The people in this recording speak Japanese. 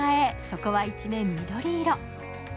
そこは一面緑色。